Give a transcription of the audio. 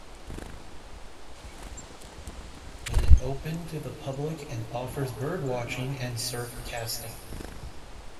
It is open to the public, and offers bird watching and surf casting.